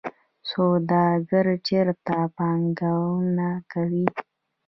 سوداګر چیرته پانګونه کوي؟